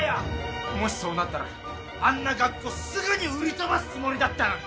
もしそうなったらあんな学校すぐに売り飛ばすつもりだったのに。